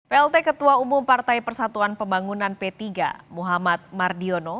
plt ketua umum partai persatuan pembangunan p tiga muhammad mardiono